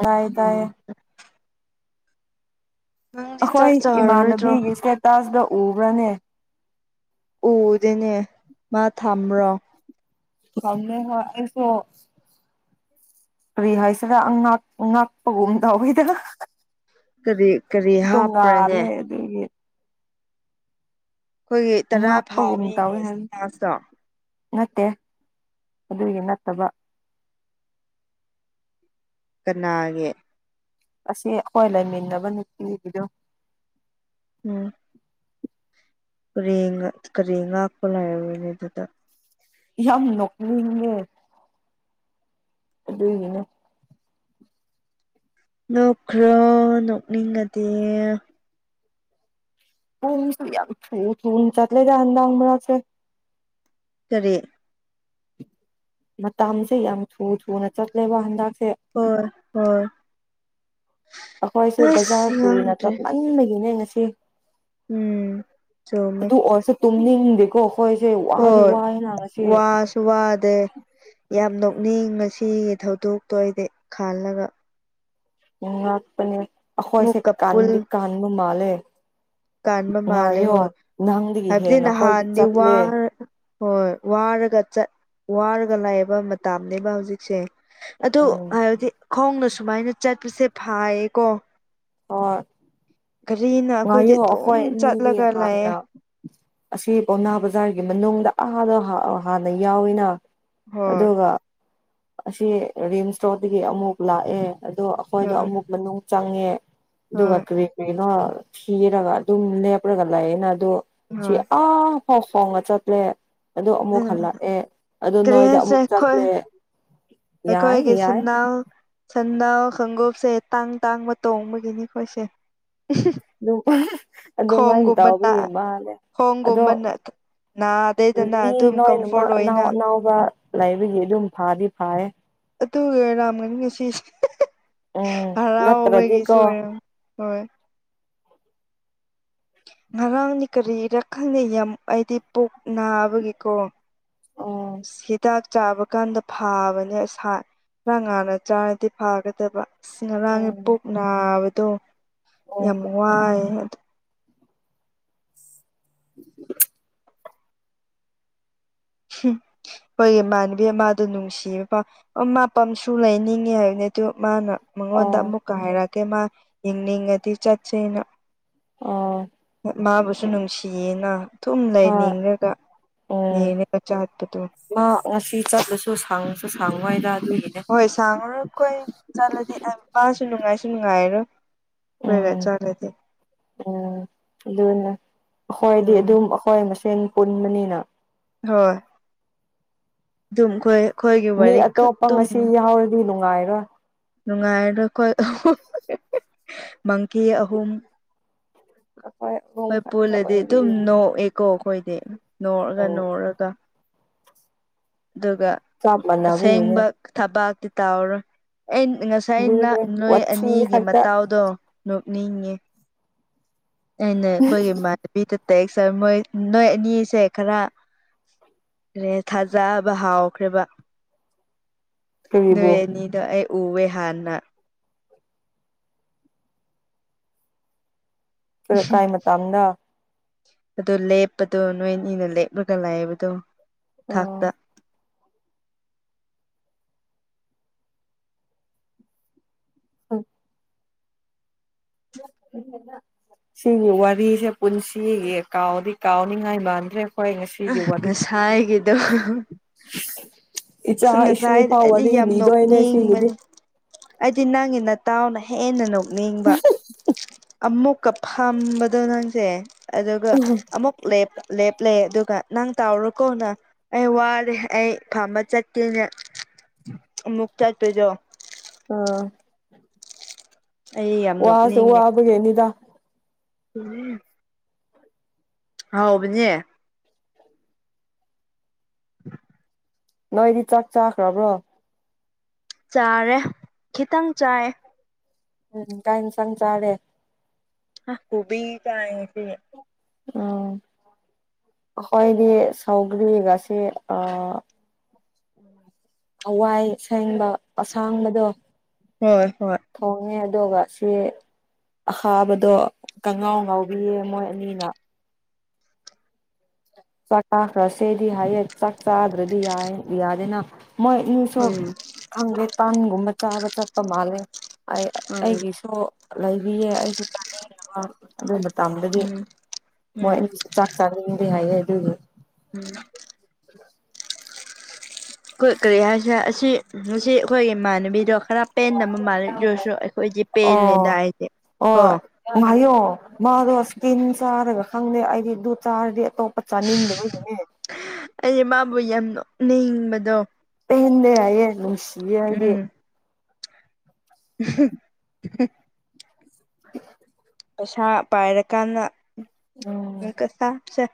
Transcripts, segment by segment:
ꯇꯥꯏ ꯎꯝ ꯇꯥꯌꯦ ꯅꯪꯗꯤ ꯆꯥꯛ ꯑꯩꯈꯣꯏ ꯆꯥꯔꯔꯣꯏꯗ꯭ꯔꯣ ꯏꯃꯥꯟꯅꯕꯤꯒꯤ ꯏꯁꯇꯦꯇꯥꯁꯇ ꯎꯕ꯭ꯔꯅꯦ ꯎꯗꯅꯦ ꯃꯥ ꯊꯝꯕ꯭ꯔꯣ ꯀꯝꯃꯦ ꯍꯁꯨ ꯀ꯭ꯔꯤ ꯍꯥꯏꯁꯤꯔ ꯉꯥꯛꯄꯒꯨꯝ ꯇꯎꯋꯤꯗꯅ ꯀꯔꯤ ꯀꯔꯤ ꯇꯨꯡꯉ ꯍꯥꯞꯄ꯭ꯔꯅꯦ ꯑꯂꯦ ꯑꯗꯨ ꯑꯩꯈꯣꯏꯒꯤ ꯇꯔꯥ ꯉꯥꯛꯄꯒꯨꯝ ꯇꯧꯋꯦ ꯐꯥꯔꯤꯉꯦ ꯍꯥꯏꯕ ꯁꯃꯥꯁꯇꯣ ꯅꯠꯇꯦ ꯑꯗꯨꯒꯤ ꯅꯠꯇꯕ ꯀꯅꯥꯒꯤ ꯑꯁꯤ ꯑꯩꯈꯣꯏ ꯂꯩꯃꯤꯟꯅꯕ ꯅꯨꯄꯤꯒꯤꯗꯣ ꯎꯝ ꯀ ꯀꯔꯤ ꯉꯥꯛꯄ ꯂꯩꯥꯏꯔꯔꯣꯏꯅꯦ ꯑꯗꯨꯗ ꯌꯥꯝ ꯅꯣꯛꯅꯤꯡꯉꯦ ꯑꯗꯨꯒꯤꯅꯦ ꯅꯣꯛꯈ꯭ꯔꯣ ꯅꯣꯛꯅꯤꯡꯉꯗꯤ ꯎ ꯌꯥꯝ ꯎꯆꯠ ꯂꯩ ꯌꯥꯥꯟꯗꯥ ꯑ ꯃꯦ ꯇꯔꯦ ꯃꯇꯝꯁꯦ ꯌꯥꯝ ꯊꯨ ꯊꯨꯅ ꯆꯠꯂꯦꯕ ꯍꯟꯗꯛꯁꯦ ꯍꯣꯏ ꯍꯣꯏ ꯑꯩꯈꯣꯏꯁꯨ ꯕꯖꯥꯔ ꯑꯁ ꯄꯨꯏꯔꯤ ꯅꯠꯇ꯭ꯔ ꯈꯪꯗ꯭ꯔꯦ ꯂꯟꯕꯒꯤꯅꯦ ꯉꯁꯤ ꯎꯝ ꯆꯨꯝꯃꯦ ꯇꯨ ꯑꯣꯔꯁ ꯇꯨꯝꯅꯤ ꯗꯣ ꯑꯩꯈꯣꯏꯁꯦ ꯋꯥꯗꯤ ꯋꯥꯑꯦ ꯂꯥꯡꯉꯁꯤ ꯁꯨ ꯋꯥꯗꯦ ꯌꯥꯝ ꯅꯣꯛꯅꯤꯡ ꯉꯁꯤꯒꯤ ꯊꯧꯗꯣꯛꯇꯣ ꯑꯩꯗꯤ ꯈꯥꯜꯂꯒ ꯉꯥꯛꯄꯅꯦ ꯑꯩꯈꯣꯏꯁꯦ ꯃꯨꯛꯀ ꯄꯨꯜ ꯀꯥꯟꯗꯤ ꯀꯟꯕ ꯃꯥꯜꯂꯦ ꯀꯥꯟꯕ ꯃꯥꯜꯂꯦ ꯉꯥꯏꯌꯣ ꯍꯣꯏ ꯅꯪꯗꯒꯤ ꯍꯥꯏꯕꯗꯤ ꯍꯦꯟꯅ ꯑꯩꯈꯣꯏꯗꯤ ꯅꯍꯥꯟꯗꯤ ꯋꯥ ꯆꯠꯂꯦ ꯍꯣꯏ ꯋꯥꯔꯒ ꯆꯠ ꯋꯥꯔꯒ ꯂꯥꯛꯑꯕ ꯃꯇꯝꯥꯅꯦꯕ ꯍꯧꯖꯤꯛꯁꯦ ꯑꯗꯨ ꯎꯝ ꯍꯥꯏꯕꯗꯤ ꯈꯣꯡꯅ ꯁꯨꯃꯥꯏꯅ ꯆꯠꯄꯁꯦ ꯐꯥꯏꯌꯦꯀꯣ ꯍ [unintelligible] ꯒꯔꯤꯅ ꯉꯌꯨꯐꯣꯏꯅꯤꯗꯤ ꯍꯥꯡꯅ ꯑꯁꯤ ꯄꯥꯎꯅꯥ ꯕꯖꯥꯔꯒꯤ ꯃꯅꯨꯡꯗ ꯑꯥꯗ ꯍꯥꯟꯅ ꯌꯥꯎꯋꯅ ꯍꯣꯏ ꯑꯗꯨꯒ ꯑꯁꯤ ꯔꯤꯝꯁ ꯔꯣꯗꯒꯤ ꯑꯃꯨꯛ ꯂꯥꯛꯑꯦ ꯑꯗꯣ ꯑꯩꯈꯣꯏꯗꯣ ꯍꯣꯏ ꯑꯃꯨꯛ ꯃꯅꯨꯡ ꯆꯪꯉꯦ ꯑꯗꯨꯒ ꯍꯣꯏ ꯀꯔꯤ ꯀꯔꯤꯅꯣ ꯊꯤꯔꯒ ꯑꯗꯨꯝ ꯂꯦꯞꯔꯒ ꯂꯩꯌꯦꯅ ꯑꯗꯣ ꯁꯤ ꯍꯣꯏ ꯑꯥ ꯐꯥꯎ ꯐꯥꯎꯅ ꯆꯠꯂꯦ ꯑꯗꯨ ꯑꯃꯨꯛ ꯎꯝ ꯍꯜꯂꯛꯑꯦ ꯑꯗꯨ ꯀꯔꯤ ꯅꯣꯏꯗ ꯑꯃꯨꯛ ꯆꯠꯂꯦ ꯌꯥꯏ ꯑꯩꯀꯣꯏꯒꯦꯁ ꯌꯥꯏ ꯅ ꯁꯟꯅꯥꯎ ꯈꯣꯡꯎꯞꯁꯦ ꯇꯥꯡ ꯇꯥꯡꯕ ꯇꯣꯡꯕꯒꯤꯅꯤ ꯑꯩꯈꯣꯏꯁꯦ ꯑꯗꯨꯝ ꯑꯗꯨꯃꯥꯏ ꯇꯥꯎꯕ ꯈꯣꯡꯒꯨꯝꯕꯅ ꯌꯦꯡ ꯃꯥꯜꯂꯦ ꯑꯗꯣ ꯈꯣꯡꯒꯨꯝꯕꯅ ꯅꯥꯗꯦꯗꯅ ꯃꯤ ꯑꯗꯨꯝ ꯂꯣꯏꯅꯃꯛ ꯀꯝꯐꯣꯔꯠ ꯑꯅꯥꯎ ꯑꯣꯏꯅ ꯑꯅꯥꯎꯕ ꯂꯩꯕꯒꯤ ꯑꯗꯨꯝ ꯐꯥꯗꯤ ꯐꯔꯦ ꯑꯗꯨꯔꯥꯝꯒꯅꯤ ꯉꯁꯤꯁꯦ ꯎꯝ ꯍꯔꯥꯎꯕꯒꯤꯁꯨ ꯅꯠꯇ꯭ꯔꯗꯤꯀꯣ ꯑꯣꯏꯔꯝ ꯍꯣꯏ ꯉꯔꯥꯡꯅꯤ ꯀꯔꯤꯔ ꯈꯪꯗꯦ ꯌꯥꯝ ꯑꯩꯗꯤ ꯄꯨꯣꯛ ꯅꯥꯕꯒꯦꯀꯣ ꯎꯝ ꯁꯤꯗꯥꯠ ꯆꯥꯕ ꯀꯥꯟꯗ ꯐꯥꯕꯅꯦ ꯑꯁ ꯈꯔ ꯉꯥꯟꯅ ꯆꯥꯔꯗꯤ ꯐꯥꯒꯗꯕ ꯉꯔꯥꯡꯒꯤ ꯎꯝ ꯄꯨꯛ ꯅꯥꯕꯗꯣ ꯌꯥꯝ ꯎꯝ ꯋꯥꯏ [unintelligible] ꯎꯝ [unintelligible] ꯑꯩꯈꯣꯏꯒꯤ ꯏꯃꯥꯟꯅꯕꯤ ꯑꯃꯗꯣ ꯅꯨꯡꯁꯤꯕ ꯄꯥꯎ ꯑꯣ ꯃꯥ ꯄꯝꯁꯨ ꯂꯩꯅꯤꯡꯉꯤ ꯍꯥꯏꯕꯅꯦ ꯑꯗꯨ ꯃꯥꯅ ꯃꯉꯣꯟꯗ ꯑꯣ ꯑꯃꯨꯛꯀ ꯍꯥꯏꯔꯛꯀꯦ ꯃꯥ ꯌꯦꯡꯅꯤꯡꯉꯗꯤ ꯆꯠꯁꯦꯅ ꯑꯣ ꯃꯥꯕꯨꯁꯨ ꯅꯨꯡꯁꯤꯌꯦꯅ ꯗꯨꯝ ꯍꯣꯏ ꯂꯩꯅꯤꯡꯉꯒ ꯎꯝ ꯌꯦꯡꯉꯒ ꯆꯥꯠꯄꯗꯣ ꯃꯥ ꯉꯁꯤ ꯆꯠꯂꯁꯨ ꯁꯪꯉꯁꯨ ꯁꯪꯉꯣꯏꯗ ꯑꯗꯨꯒꯤꯅꯦ ꯈꯣꯏ ꯆꯠꯂꯗꯤ ꯃꯥꯁꯨ ꯅꯨꯡꯉꯥꯏꯁꯨ ꯅꯨꯡꯉꯥꯏꯔꯣꯏ [unintelligible] ꯎꯝ ꯆꯠꯂꯗꯤ [unintelligible] ꯎꯝ ꯑꯗꯨꯅ ꯑꯩꯈꯣꯏꯗꯤ ꯎꯝ ꯑꯗꯨꯝ ꯑꯩꯈꯣꯏ ꯃꯁꯦꯟ ꯄꯨꯟꯕꯅꯤꯅ ꯍꯣꯏ ꯑꯗꯨꯝ ꯑꯩꯈꯣꯏ ꯑꯩꯈꯣꯏꯒꯤ ꯃꯤ ꯋꯥꯔꯤ ꯈꯛ ꯑꯇꯣꯞꯄ ꯑꯗꯨꯝ ꯉꯁꯤ ꯌꯥꯎꯔꯗꯤ ꯅꯨꯡꯉꯥꯏꯔꯣꯏ ꯅꯨꯡꯉꯥꯏꯔꯣꯏ ꯑꯩꯈꯣꯏ ꯃꯪꯀꯤ ꯑꯍꯨꯝ ꯑꯩꯈꯣꯏ ꯑꯍꯨꯝ ꯍꯣꯏ ꯈꯛꯇ ꯄꯨꯜꯂꯗꯤ ꯑꯗꯨꯝ ꯑꯣꯏꯕꯒꯤꯅꯦ ꯅꯣꯛꯑꯦ ꯀꯣ ꯑꯩꯈꯣꯏꯗꯤ ꯅꯣꯛꯑꯒ ꯅꯣꯛꯑꯒ ꯑꯗꯨꯒ ꯆꯞ ꯃꯥꯟꯅꯕꯒꯤꯅꯦ ꯑꯁꯦꯡꯕ ꯊꯕꯛꯇꯤ ꯇꯧꯔꯣꯏ ꯑꯩ ꯉꯁꯤ ꯁꯥꯏꯅ ꯑꯗꯨꯅꯦ ꯅꯣꯏ ꯋꯥꯊꯤ ꯑꯅꯤꯒꯤ ꯈꯛꯇ ꯃꯇꯥꯎꯗꯣ ꯅꯣꯛꯅꯤꯡꯉꯦ ꯑꯩꯅ ꯑꯩꯈꯣꯏꯒꯤ ꯏꯃꯥꯟꯅꯕꯤꯗ ꯇꯦꯛꯁ ꯃꯣꯏ ꯅꯣꯏ ꯑꯅꯤꯁꯦ ꯈꯔ ꯔꯦ ꯊꯥꯖꯕ ꯍꯥꯎꯈ꯭ꯔꯦꯕ [unintelligible] ꯅꯣꯏ ꯀꯔꯤꯕꯨ ꯑꯅꯤꯗꯣ ꯑꯩ ꯎꯋꯦ ꯍꯥꯟꯅ ꯀꯥꯏ ꯃꯇꯝꯗ [unintelligible] ꯑꯗꯨ ꯂꯦꯞꯄꯗꯣ ꯅꯣꯏꯅꯤꯅ ꯂꯦꯞꯂꯒ ꯂꯩꯕꯗꯣ ꯊꯛꯇ ꯎꯝ ꯍ [inaudible] [inaudible] ꯁꯤꯒꯤ ꯋꯥꯔꯤꯁꯦ ꯄꯨꯟꯁꯤꯒꯤ ꯀꯥꯎꯗꯤ ꯀꯥꯎꯅꯤꯉꯥꯏ ꯃꯥꯟꯗ꯭ꯔꯦ ꯑꯩꯈꯣꯏ ꯉꯁꯤꯒꯤ ꯋꯥꯔꯤ ꯉꯁꯥꯏꯒꯤꯗꯣ ꯏꯆꯥ ꯑꯁ ꯉꯁꯥꯏ ꯏꯁꯨꯐꯥꯎ ꯑꯩꯗꯤ ꯋꯥꯔꯤ ꯌꯥꯝ ꯂꯤꯗꯣꯏꯅꯦ ꯁꯤꯒꯤꯗꯤ ꯅꯣꯛꯅꯤꯡꯕꯅꯦ ꯑꯩꯗꯤ ꯅꯪꯒꯤ ꯅꯇꯥꯎꯅ ꯍꯦꯟꯅ ꯅꯣꯛꯅꯤꯡꯕ ꯑꯃꯨꯛ ꯀꯐꯝꯕꯗꯣ ꯅꯪꯁꯦ ꯑꯗꯨꯒ ꯑꯃꯨꯛ [unintelligible] ꯂꯦꯞꯂꯦ ꯑꯗꯨꯒ ꯅꯪ ꯇꯥꯎꯔꯣꯀꯣꯅ ꯑꯩ ꯋꯥꯔꯦ ꯑꯩ ꯐꯝꯕ ꯆꯠꯀꯦ ꯑꯃꯨꯛ ꯆꯠꯄꯗꯣ [unintelligible] ꯑꯥ ꯑꯩ ꯌꯥꯝ ꯋꯥꯁꯨ ꯅꯣꯛꯅꯤꯡꯉꯦ ꯋꯥꯕꯒꯤꯅꯤꯗ [inaudible] ꯍꯥꯎꯕꯅꯦ [inaudible] ꯅꯣꯏꯗꯤ ꯆꯥꯛ ꯆꯥꯈ꯭ꯔꯕ꯭ꯔꯣ ꯆꯥꯔꯦ ꯈꯤꯇꯪ ꯆꯥꯏ ꯎꯝ ꯀꯩ ꯏꯟꯁꯥꯡ ꯆꯥꯔꯦ ꯑ ꯀꯣꯕꯤ ꯆꯥꯏ ꯉꯁꯤ [unintelligible] ꯑꯥ ꯈꯣꯏꯗꯤ ꯁꯧꯒ꯭ꯔꯤꯒ ꯁꯤ ꯑꯥ ꯍꯋꯥꯏ ꯁꯦꯡꯕ ꯑꯁꯥꯡꯕꯗꯣ ꯍꯣꯏ ꯍꯣꯏ ꯊꯣꯡꯉꯦ ꯑꯗꯨꯒ ꯁꯤ ꯑꯍꯥꯕꯗꯣ ꯀꯉꯥꯎ ꯉꯥꯎꯕꯤꯌꯦ ꯃꯣꯏ ꯑꯅꯤꯅ ꯆꯥꯛ ꯆꯥꯛꯈ꯭ꯔꯁꯦꯗꯤ ꯍꯥꯏꯌꯦ ꯆꯥꯛ ꯆꯥꯗ꯭ꯔꯗꯤ ꯌꯥꯗꯦꯅ ꯃꯣꯏ ꯑꯅꯤꯁꯨ ꯎꯝ ꯈꯪꯗꯦ ꯄꯥꯟꯒꯨꯝꯕ ꯆꯥꯕ ꯆꯠꯄ ꯃꯥꯜꯂꯦ ꯑꯩ ꯎꯝ ꯑꯩꯒꯤꯁꯨ ꯂꯩꯔꯤꯌꯦ ꯑꯩꯁꯨ ꯆꯥꯅꯤꯡꯗꯕ ꯑꯗꯨꯝꯒꯤ ꯇꯝꯗꯗꯤ ꯎꯝ ꯃꯣꯏ ꯎꯝ ꯑꯅꯤꯁꯨ ꯆꯥꯛ ꯆꯥꯅꯤꯡꯗꯦ ꯍꯥꯏꯌꯦ ꯑꯗꯨꯒꯤ ꯎꯝ [unintelligible] ꯑꯩꯈꯣꯏ ꯀꯔꯤ ꯍꯥꯏꯁꯦꯔꯥ ꯑꯁꯤ ꯉꯥꯁꯤ ꯑꯩꯈꯣꯏꯒꯤ ꯏꯃꯥꯟꯅꯕꯤꯗꯣ ꯈꯔꯥ ꯄꯦꯟꯗꯕ ꯃꯥꯜꯂꯦ ꯑꯗꯨ ꯑꯣꯏꯁꯨ ꯑꯩꯈꯣꯏꯗꯤ ꯄꯦꯜꯂꯦꯗ ꯍꯥꯏꯗꯤ ꯑꯣ ꯑꯣꯍꯥꯏꯌꯣ ꯃꯥꯗꯣ ꯏꯁꯀꯤꯟ ꯆꯥꯔꯒ ꯈꯪꯗꯦ ꯑꯩꯗꯤ ꯑꯗꯨ ꯆꯥꯔꯗꯤ ꯑꯇꯣꯞꯄ ꯆꯥꯅꯤꯡꯗꯕꯒꯤꯅꯤ ꯅꯦ ꯫ ꯑꯩ ꯃꯥꯕꯨ ꯌꯥꯝ ꯅꯣꯛꯅꯤꯟꯕꯗꯣ ꯑꯩꯅꯥ ꯌꯥꯏꯌꯦ ꯅꯨꯡꯁꯤꯌꯦ ꯍꯥꯏꯗꯤ ꯎ [unintelligible] [unintelligible] ꯄꯩꯁꯥ ꯄꯥꯏꯔꯥ ꯀꯥꯟꯗꯥ ꯎꯝ ꯑꯃꯨꯛꯀꯥ ꯁꯥꯁꯦ꯫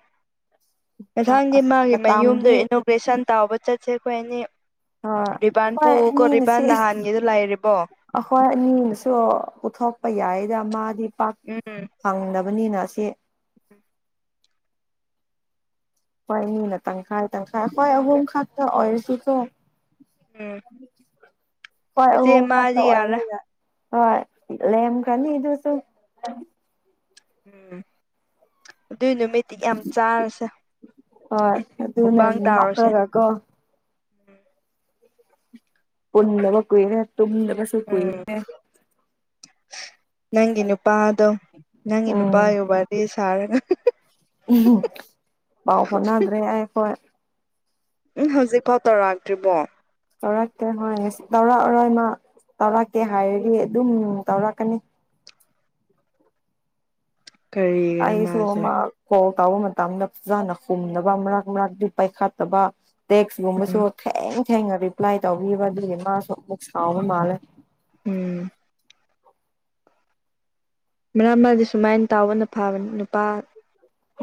ꯆꯥꯛ ꯃꯊꯪꯗꯤ ꯑꯁ ꯃꯥꯒꯤ ꯃꯌꯨꯝꯗꯣ ꯃꯇꯥꯝꯗꯤ ꯏꯅꯣꯒ꯭ꯔꯦꯁꯟ ꯇꯥꯎꯕ ꯆꯠꯁꯦ ꯑꯩꯈꯣꯏ ꯑꯅꯤ꯫ ꯍꯣꯏ ꯔꯤꯕꯥꯥꯟ ꯍꯣꯏ ꯄꯨꯀꯣ ꯑꯅꯤꯅꯁꯤ ꯔꯤꯕꯥꯥꯟ ꯅꯍꯥꯟꯒꯤꯗ ꯂꯩꯔꯤꯕꯣ ꯑꯩꯈꯣꯏ ꯑꯅꯤꯅꯥꯁꯨ ꯄꯨꯊꯣꯛꯄ ꯌꯥꯏꯗ ꯃꯥꯗꯤ ꯄꯥꯛ ꯐꯪꯗꯕ ꯕꯅꯤꯅꯥ ꯑꯁꯤ ꯎꯝ ꯑꯩꯈꯣꯏ ꯑꯅꯤ ꯅꯥ ꯇꯪꯈꯥꯏ ꯇꯪꯈꯥꯏ ꯍꯣꯏ ꯑꯍꯨꯝ ꯈꯛꯇ ꯑꯣꯏꯔꯁꯤꯀꯣ ꯎꯝ꯫ ꯍꯣꯏ ꯑꯩꯈꯣꯢ ꯆꯦꯆꯦ ꯑꯍꯨꯝ ꯈꯛꯇ ꯑꯃꯗꯤ ꯌꯥꯔꯦ ꯑꯣꯏꯕꯅꯤꯅ ꯍꯣꯏ ꯂꯦꯝꯀ꯭ꯔꯥꯅꯤ ꯑꯗꯨꯁꯨ꯫ ꯎꯝ ꯑꯗꯨꯏ ꯅꯨꯃꯤ ꯃꯤꯠ ꯌꯥꯝ ꯆꯥꯔꯁꯦ ꯃꯨꯛꯕꯥꯥꯡ ꯇꯥꯎꯔꯁꯦ ꯀꯣ ꯄꯨꯟꯗꯕ ꯀꯨꯏꯔꯦ ꯇꯨꯝꯗꯕꯁꯨ ꯀꯨꯏꯔꯦ ꯎꯝ ꯅꯪꯒꯤ ꯅꯨꯄꯥꯗꯣ ꯅꯪꯒꯤ ꯅꯨꯄꯥꯒꯤ ꯋꯥꯔꯤ ꯁꯥꯔꯒ ꯄꯎ ꯄꯧ ꯐꯥꯎꯟꯗ꯭ꯔꯦ ꯑꯩ ꯑꯩꯈꯣꯏ꯫ ꯎꯝ ꯍꯧꯖꯤꯛꯐꯥꯎ ꯇꯧꯔꯛꯇ꯭ꯔꯤꯕꯣ ꯇꯧꯔꯛꯇꯦ ꯍꯣꯏ ꯉꯁꯤ ꯇꯧꯔꯛ ꯑꯔꯣꯏ ꯃꯥ ꯇꯧꯔꯛꯀꯦ ꯍꯥꯏꯔꯗꯤ ꯑꯗꯨꯝ ꯇꯧꯔꯛꯀꯅꯤ ꯀꯔꯤꯒꯤꯔ ꯑꯩꯁꯨ ꯑꯃꯥ ꯃꯥꯁꯦ ꯀꯣꯜ ꯇꯥꯎꯕ ꯃꯇꯝꯗ ꯐꯖꯅ ꯍꯨꯝꯗꯅꯕ ꯃꯔꯛ ꯃꯔꯛꯇꯤ ꯄꯥꯏꯈꯠꯇꯕ ꯇꯦꯛꯁꯠ ꯒꯨꯝꯕꯁꯨ ꯎꯝ ꯊꯦꯡ ꯊꯦꯡꯅ ꯔꯤꯄ꯭ꯂꯥꯏ ꯇꯧꯕꯤꯕ ꯑꯗꯨꯒꯤ ꯃꯥꯁꯨ ꯑꯃꯨꯛ ꯁꯥꯎꯕ ꯃꯥꯜꯂꯦ ꯎꯝ ꯃꯔꯛ ꯃꯥꯗꯤ ꯁꯨꯃꯥꯏꯅ ꯇꯥꯎꯕꯅ ꯐꯕꯅꯤ ꯅꯨꯄꯥ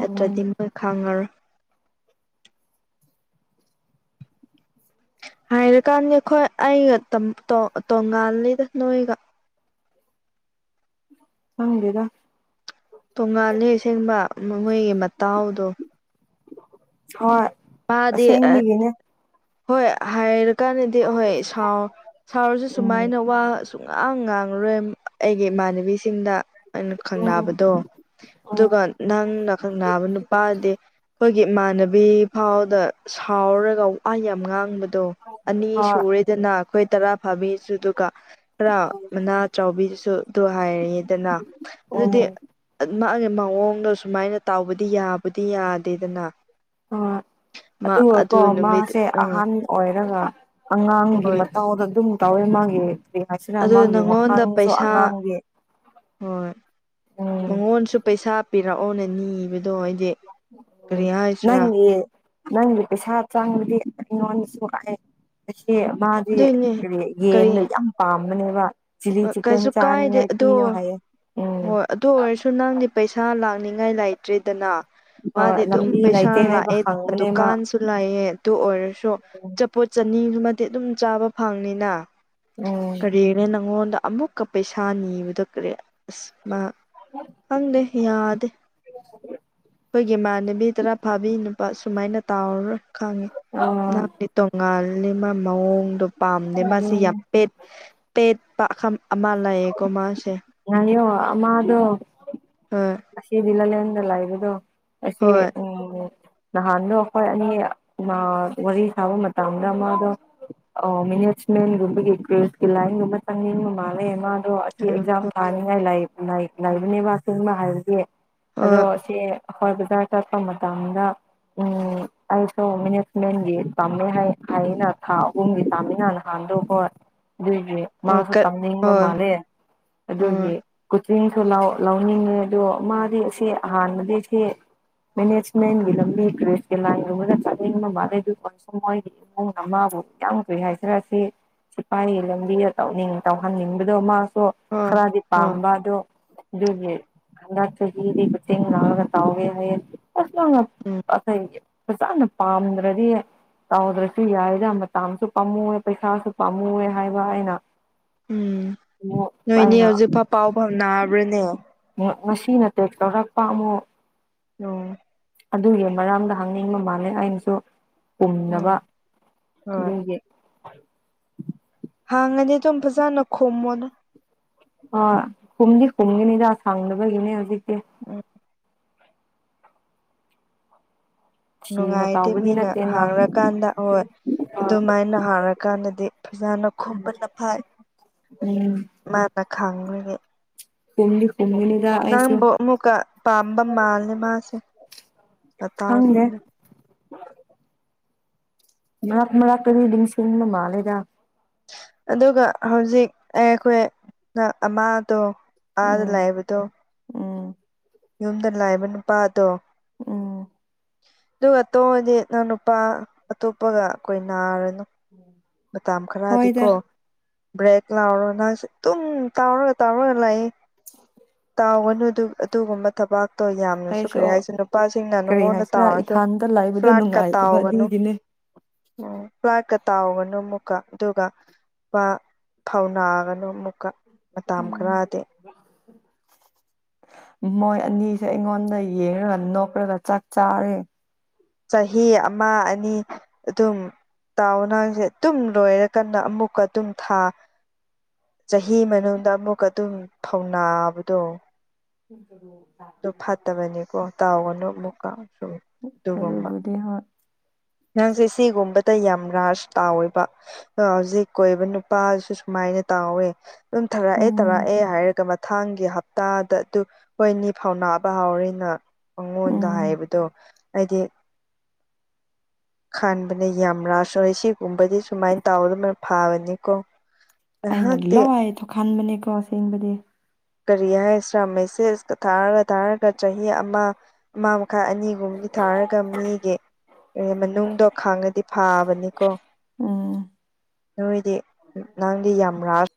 ꯎꯝ ꯃꯣꯏ ꯈꯪꯉꯔꯣꯏ ꯍꯥꯏꯔꯀꯥꯟꯗꯤ ꯑꯩꯈꯣꯏ ꯑꯩꯒ ꯇꯥꯝ ꯇꯣꯟꯉꯜꯂꯤꯗ ꯅꯣꯏꯒꯥ ꯈꯪꯗꯦ ꯗꯥ꯫ ꯇꯣꯡꯉꯥꯂꯦ ꯑꯁꯦꯡꯕ ꯃꯣꯏꯒꯤ ꯃꯇꯥꯎꯗꯣ ꯍꯣꯏ ꯃꯥꯗꯤ ꯑꯁꯦꯡꯕꯒꯤꯅꯦ ꯍꯣꯏ ꯍꯥꯏꯔꯀꯥꯟꯗꯗꯤ ꯍꯣꯏ ꯁꯥꯎ ꯁꯥꯎꯔꯁꯨ ꯎꯝ ꯁꯨꯃꯥꯏꯅ ꯋꯥ ꯁꯨꯉꯥꯡ ꯉꯥꯡꯉꯔꯣꯏ ꯑꯩꯒꯤ ꯏꯃꯥꯟꯅꯕꯤꯁꯤꯡꯗꯥ꯫ ꯑꯩꯅ ꯈꯪ ꯎꯝ ꯅꯥꯕꯗꯣ ꯎꯝ ꯑꯗꯨꯒ ꯅꯪꯅꯥ ꯈꯛꯅꯥꯕ ꯅꯨꯄꯥꯗꯤ ꯑꯩꯈꯣꯏꯒꯤ ꯏꯃꯥꯟꯅꯕꯤ ꯈꯥꯎꯗ ꯁꯥꯎꯔꯒ ꯋꯥ ꯌꯥꯝ ꯉꯥꯡꯕꯗꯣ ꯑꯅꯤ ꯍꯣꯏ ꯁꯨꯔꯦ ꯗꯅ ꯑꯩꯈꯣꯏ ꯇꯔꯥ ꯐꯥꯕꯤꯁꯨ ꯑꯗꯨꯒꯥ ꯈꯔ ꯃꯅꯥ ꯆꯥꯎꯕꯤꯗꯨꯁꯨ ꯑꯗꯨ ꯍꯥꯏꯔꯦꯗꯅ ꯎꯝ ꯑꯗꯨꯗꯤ ꯃꯥꯒꯤ ꯃꯑꯣꯡꯗꯣ ꯁꯨꯃꯥꯏꯅ ꯇꯥꯎꯕꯗꯤ ꯌꯥꯕꯨꯗꯤ ꯌꯥꯗꯦꯗꯅ ꯍꯣꯢ ꯃꯥ ꯑꯗꯨꯒꯀꯣ ꯑꯗꯨ ꯅꯨꯃꯤꯠ ꯃꯥꯁꯦ ꯎꯝ ꯑꯍꯟ ꯑꯣꯏꯔꯒ ꯑꯉꯥꯡꯒꯤ ꯍꯣꯏ ꯃꯇꯥꯎꯗ ꯑꯗꯨꯝ ꯇꯧꯋꯦ ꯃꯥꯒꯤ ꯀꯔꯤ ꯍꯥꯏꯁꯤꯔꯥ ꯑꯗꯨ ꯃꯥꯒꯤ ꯅꯪꯉꯣꯟꯗ ꯋꯥꯈꯜꯁꯨ ꯄꯩꯁꯥ ꯑꯉꯥꯡꯒꯤ ꯍꯣꯏ ꯎꯝ ꯃꯉꯣꯟꯁꯨ ꯄꯩꯁꯥ ꯄꯤꯔꯛꯑꯣꯅ ꯅꯤꯕꯗꯣ ꯍꯥꯏꯗꯤ ꯎꯝ ꯅꯪꯒꯤ ꯅꯪꯒꯤ ꯄꯩꯁꯥ ꯆꯥꯡꯕꯗꯤ ꯑꯩꯉꯣꯟꯗꯁꯨ ꯀꯛꯑꯦ ꯑꯁꯤ ꯃꯥꯗꯤ ꯑꯗꯨꯏꯅꯦ ꯀꯔꯤ ꯌꯦꯟꯗꯣ ꯀꯔꯤ ꯌꯥꯝ ꯄꯥꯝꯕꯅꯦꯕꯥ ꯆꯤꯂꯤ ꯆꯤꯛꯟ ꯀꯩꯁꯨ ꯀꯥꯏꯗꯦ ꯆꯥꯅꯤꯉꯥꯏ ꯑꯗꯣ ꯍꯥꯏꯌꯣ ꯍꯥꯏꯌꯦ ꯎꯝ ꯍꯣꯏ ꯑꯗꯨ ꯑꯣꯏꯔꯁꯨ ꯅꯪꯗꯤ ꯄꯩꯁꯥ ꯂꯥꯛꯅꯤꯡꯉꯥꯏ ꯂꯩꯇ꯭ꯔꯦꯗꯅ ꯍꯣꯏ ꯃꯥꯗꯤ ꯑꯗꯨꯝ ꯂꯝꯕꯤ ꯄꯩꯁꯥ ꯂꯩꯇꯦ ꯍꯥꯏꯕ ꯂꯥꯛꯑꯦ ꯈꯪꯕꯅꯦ ꯃꯥ ꯗꯨꯀꯥꯟ ꯁꯨ ꯂꯥꯏꯌꯦ ꯑꯗꯨ ꯑꯣꯏꯔꯁꯨ ꯆꯄꯣꯠ ꯆꯅꯤꯃꯗꯤ ꯑꯗꯨꯝ ꯆꯥꯕ ꯐꯪꯅꯤꯅ ꯎꯝ ꯀꯔꯤꯅꯦ ꯅꯪꯉꯣꯟꯗ ꯑꯃꯨꯛꯀ ꯄꯩꯁꯥ ꯅꯤꯕꯗ ꯀꯔꯦ ꯑꯁ ꯃꯥ ꯈꯪꯗꯦ ꯌꯥꯗꯦ ꯑꯩꯈꯣꯏꯒꯤ ꯏꯃꯥꯟꯅꯕꯤ ꯇꯔꯥ ꯐꯥꯕꯤ ꯅꯨꯄꯥ ꯁꯨꯃꯥꯏꯅ ꯇꯥꯎꯔꯔꯣꯏ ꯈꯪꯉꯦ ꯑꯣ ꯇꯣꯉꯥꯜꯂꯤ ꯃꯥ ꯃꯑꯣꯡꯗꯣ ꯄꯥꯝꯗꯦ ꯃꯥꯁꯤ ꯌꯥꯝ ꯄꯦꯠ ꯄꯦꯠꯄ ꯑꯥꯀꯝ ꯇꯧ ꯑꯃ ꯂꯩꯌꯦꯀꯣ ꯃꯥꯁꯦ ꯉꯥꯏꯌꯣ ꯍꯣꯏ ꯑꯁꯤ ꯂꯥꯂꯦꯟꯗ ꯂꯩꯕꯗꯣ ꯑꯁꯤ ꯍꯣꯏ ꯎꯝ ꯅꯍꯥꯟꯗꯣ ꯑꯩꯈꯣꯏ ꯑꯅꯤ ꯋꯥꯔꯤ ꯁꯥꯕ ꯃꯇꯝꯗ ꯃꯥꯗꯣ ꯑꯣ ꯃꯅꯦꯁꯃꯦꯟꯒꯨꯝꯕꯒꯤ ꯀꯔꯦꯁꯀꯤ ꯂꯥꯏꯟꯒꯨꯝꯕ ꯆꯪꯅꯤꯡꯕ ꯃꯥꯜꯂꯦ ꯃꯥꯗꯣ ꯑꯗꯣ ꯑꯁꯤ ꯑꯦꯛꯖꯥꯝ ꯊꯥꯅꯤꯡꯉꯥꯏ ꯂꯩ ꯂꯩꯕꯅꯦꯕ ꯃꯥꯁꯦ ꯃꯥ ꯍꯥꯏꯕꯗꯤ ꯍꯣꯏ ꯆꯦ ꯍꯣꯏ ꯚꯖꯥꯔ ꯆꯠꯄ ꯃꯇꯝꯗ ꯎꯝ ꯑꯩꯁꯨ ꯃꯦꯅꯦꯖꯃꯦꯟꯒꯤ ꯄꯥꯝꯃꯦ ꯍꯥꯏꯌꯦꯅ ꯊꯥ ꯑꯍꯨꯝꯒꯤ ꯄꯥꯝꯃꯤꯅꯅ ꯀꯥꯟꯗꯨ ꯍꯣꯏ ꯑꯗꯨꯒꯤ ꯑꯣ ꯃꯥꯁꯨ ꯀ ꯇꯝꯅꯤꯡꯕ ꯍꯣꯏ ꯃꯥꯜꯂꯦ ꯍꯣꯏ ꯑꯗꯨꯒꯤ ꯀꯨꯆꯤꯡꯁꯨ ꯂꯧꯅꯤꯡꯉꯦ ꯑꯗꯣ ꯃꯥꯗꯤ ꯁꯤ ꯑꯍꯥꯟꯕꯗꯤ ꯁꯤ ꯃꯦꯅꯦꯖꯃꯦꯟꯒꯤ ꯂꯝꯕꯤ ꯀꯔꯦꯁꯀꯤ ꯂꯥꯏꯟꯒꯨꯝꯕꯗ ꯆꯠꯅꯤꯡꯕ ꯃꯥꯜꯂꯦ ꯑꯗꯨ ꯑꯣꯏꯁꯨ ꯃꯣꯏꯒꯤ ꯏꯃꯨꯡ ꯑꯃꯕꯨ ꯀꯌꯥꯝ ꯀꯔꯤ ꯍꯥꯏꯖꯁꯤꯔ ꯑꯁꯤ ꯁꯤꯐꯥꯏꯒꯤ ꯂꯝꯕꯤꯗ ꯇꯧꯅꯤꯡ ꯇꯧꯍꯟꯅꯤꯡꯕꯗꯣ ꯃꯥꯁꯨ ꯍꯣꯏ ꯈꯔꯗꯤ ꯍꯣꯏ ꯄꯥꯝꯕ ꯑꯗꯣ ꯑꯗꯨꯒꯤ ꯍꯟꯗꯛ ꯆꯍꯤꯗꯤ ꯀꯣꯆꯤꯡ ꯌꯥꯎꯔꯒ ꯇꯧꯒꯦ ꯍꯥꯏꯌꯦ ꯎꯝ [unintelligible] ꯐꯖꯥꯅ ꯄꯥꯝꯗ꯭ꯔꯗꯤ ꯇꯧꯗ꯭ꯔꯁꯨ ꯌꯥꯏꯗ ꯃꯇꯝꯁꯨ ꯄꯥꯝꯃꯨ ꯄꯩꯁꯥꯁꯨ ꯄꯥꯝꯃꯨꯌꯦ ꯍꯥꯏꯕ ꯑꯩꯅ ꯎꯝ ꯑꯃꯨꯛ ꯅꯣꯏꯅꯦ ꯑꯩꯅ ꯍꯧꯖꯤꯛꯐꯥꯎ ꯄꯥꯎ ꯐꯥꯎꯅꯕ꯭ꯔꯅꯦ ꯉꯁꯤ ꯅ ꯇꯦꯛ ꯇꯧꯔꯛꯄ ꯑꯃꯨꯛ ꯑꯣ ꯑꯗꯨꯒꯤ ꯃꯔꯝꯗ ꯍꯪꯅꯤꯡꯕ ꯃꯥꯜꯂꯦ ꯑꯩꯅꯁꯨ ꯄꯨꯝꯅꯕ ꯎꯝ ꯍꯣꯏ ꯑꯗꯨꯒꯤ ꯍꯥꯡꯉꯅꯤ ꯑꯗꯨꯝ ꯐꯖꯅ ꯈꯨꯝꯃꯣꯗ ꯍꯣꯏ ꯈꯨꯝꯗꯤ ꯈꯨꯝꯒꯤꯅꯤꯗ ꯁꯥꯡꯗꯅꯕꯒꯤꯅꯤ ꯍꯧꯖꯤꯛꯇꯤ ꯎꯝ ꯊꯤꯅ ꯅꯨꯡꯉꯥꯏꯇꯦ ꯇꯥꯎꯕꯗꯤ ꯃꯤꯅ ꯅꯠꯇꯦꯅ ꯍꯣꯏ ꯍꯥꯡꯔꯛ ꯀꯥꯟꯗ ꯍꯣꯏ ꯑꯗꯨꯃꯥꯏꯅ ꯍꯥꯏꯔꯀꯥꯟꯗꯗꯤ ꯐꯖꯥꯅ ꯈꯨꯝꯕꯅ ꯐꯩ ꯎꯝ ꯃꯥꯅ ꯈꯪꯉꯗꯤ ꯈꯨꯝꯗꯤ ꯈꯨꯝꯒꯅꯤ ꯅꯪꯕꯨ ꯑꯃꯨꯛꯀ ꯄꯥꯝꯕ ꯃꯥꯜꯅꯦ ꯃꯥꯁꯦ ꯈꯪꯗꯦ ꯃꯇꯧꯁꯤꯡꯁꯦ ꯃꯔꯛ- ꯃꯔꯛꯇꯗꯤ ꯅꯤꯡꯁꯤꯡꯕ ꯃꯥꯜꯂꯤꯗ ꯑꯗꯨꯒ ꯍꯧꯖꯤꯛ ꯑꯩ ꯑꯩꯈꯣꯏ ꯑꯃꯥꯗꯣ ꯑꯥꯗ ꯎꯝ ꯂꯩꯕ ꯇꯣ ꯎꯝ ꯌꯨꯝꯗ ꯂꯩꯕ ꯅꯨꯄꯥꯗꯣ ꯎꯝ ꯑꯗꯨꯒ ꯇꯣꯡꯑꯗꯤ ꯅꯪ ꯅꯨꯄꯥ ꯑꯇꯣꯞꯄꯒ ꯀꯣꯏꯅꯥꯔꯅꯨ [unintelligible] ꯃꯇꯝ ꯍꯣꯏꯗ ꯈꯔꯗꯤꯀꯣ ꯕ꯭ꯔꯦꯛ ꯂꯥꯎꯔꯣ ꯅꯪꯁꯨ ꯑꯗꯨꯨꯝ ꯇꯥꯎꯔꯒ-ꯇꯥꯎꯔꯒ ꯂꯩꯌꯦ ꯌꯥꯥꯎꯒꯅꯨ ꯑꯗꯨ ꯑꯗꯨꯒꯨꯝꯕ ꯊꯕꯛ ꯌꯥꯝꯅꯁꯨ ꯑꯩꯁꯨ ꯀꯔꯤ ꯍꯥꯏꯁꯅꯨ ꯅꯨꯄꯥꯁꯤꯡꯅ ꯀꯔꯤ ꯅꯉꯣꯟꯗ ꯍꯥꯏꯁꯤꯔꯥ ꯇꯥꯎꯔꯁꯨ ꯏꯊꯥꯟꯇ ꯂꯩꯕꯗꯣ ꯐ꯭ꯂꯥꯠꯀ ꯅꯨꯡꯉꯥꯏꯇꯕ ꯇꯥꯎꯒꯅꯨ ꯑꯗꯨꯒꯤꯅꯦ ꯎꯝ ꯐ꯭ꯂꯥꯏ ꯀ ꯇꯥꯎꯕꯅꯤ ꯑꯃꯨꯛꯀ ꯑꯗꯨꯒ ꯅꯨꯄꯥ ꯊꯧꯅꯥꯒꯅꯨ ꯑꯃꯨꯛꯀ ꯃꯥꯇꯝ ꯎꯝ ꯈꯔꯗꯤ [unintelligible] ꯃꯣꯏ ꯑꯅꯤꯁꯦ ꯑꯩꯉꯣꯟꯗ ꯌꯦꯡꯉꯒ ꯅꯣꯛꯈ꯭ꯔꯒ ꯆꯥꯛ ꯆꯥꯔꯦ ꯆꯍꯤ ꯑꯃ ꯑꯅꯤ ꯑꯗꯨꯝ ꯇꯥꯎꯋꯣ ꯅꯪꯁꯦ ꯑꯗꯨꯨꯝ ꯂꯣꯏꯔꯀꯥꯟꯗ ꯑꯃꯨꯛꯀ ꯑꯗꯨꯝ ꯊꯥ ꯆꯍꯤ ꯃꯅꯨꯡꯗ ꯑꯃꯨꯛꯀ ꯑꯗꯨꯝ ꯊꯧꯅꯥꯕꯗꯣ ꯑꯗꯨ [inaudible] ꯐꯠꯇꯕꯅꯤꯀꯣ ꯇꯥꯎꯒꯅꯨ ꯑꯃꯨꯛꯀ ꯁꯨꯝ ꯎꯝ ꯑꯗꯨꯒꯨꯝꯕ ꯅꯪꯁꯦ ꯁꯤꯒꯨꯝꯕꯗ ꯌꯥꯝ ꯔꯥꯁ ꯇꯥꯎꯋꯦꯕ ꯍꯧꯖꯤꯛ ꯀꯣꯏꯕ ꯅꯨꯄꯥꯁꯨ ꯁꯨꯃꯥꯏꯅ ꯇꯥꯎꯋꯦ꯫ ꯑꯗꯨꯝ ꯊꯥꯔꯛꯑꯦ ꯎꯝ ꯊꯥꯔꯛꯑꯦ ꯍꯥꯏꯔꯒ ꯃꯊꯪꯒꯤ ꯍꯥꯞ ꯇꯥꯗ ꯑꯗꯨ ꯃꯣꯏꯅꯤ ꯐꯥꯎꯅꯥꯕ ꯍꯥꯎꯔꯦꯅ ꯃꯉꯣꯟꯗ ꯎꯝ ꯍꯥꯏꯕꯗꯣ ꯑꯩꯗꯤ ꯈꯟꯕꯅꯦ ꯌꯥꯝ ꯔꯥꯁ ꯑꯣꯏ ꯁꯤꯒꯨꯝꯕꯗꯤ ꯁꯨꯃꯥꯏꯅ ꯇꯥꯎꯔꯒ ꯐꯥꯕꯅꯤꯀꯣ꯫ ꯑꯩꯅ ꯅꯍꯥꯛꯇꯤ ꯂꯣꯏ ꯊꯣꯛꯍꯟꯕꯅꯦꯀꯣ ꯑꯁꯦꯡꯕꯗꯤ ꯀꯔꯤ ꯍꯥꯏꯁꯤꯔꯥ ꯃꯦꯁꯦꯖꯇ ꯊꯥꯔꯒ ꯊꯥꯔꯒ ꯆꯍꯤ ꯑꯃ ꯃꯥꯥ ꯃꯈꯥꯏ ꯑꯅꯤꯒꯨꯝꯒꯤ ꯊꯥꯔꯒ ꯃꯤꯒꯤ ꯀꯔꯤ ꯃꯅꯨꯡꯗꯣ ꯈꯥꯡꯉꯗꯤ ꯐꯥꯕꯅꯤꯀꯣ ꯎꯝ ꯅꯣꯏꯗꯤ ꯅꯪꯗꯤ ꯌꯥꯝ ꯔꯥꯁ